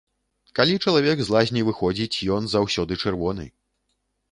Калі чалавек з лазні выходзіць, ён заўсёды чырвоны.